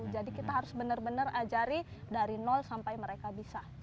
jadi kita harus benar benar ajari dari nol sampai mereka bisa